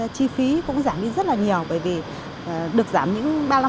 chi phí cũng giảm đi rất là nhiều bởi vì được giảm những ba mươi năm